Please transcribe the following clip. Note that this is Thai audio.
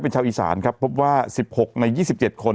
เป็นชาวอีสานครับพบว่าสิบหกในยี่สิบเจ็ดคน